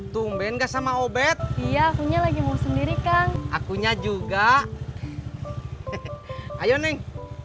tumben gak sama obed iya akunya lagi mau sendiri kang akunya juga ayo neng